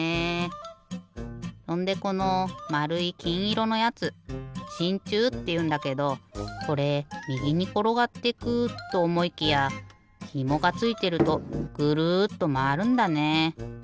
そんでこのまるいきんいろのやつしんちゅうっていうんだけどこれみぎにころがってくとおもいきやひもがついてるとグルッとまわるんだね。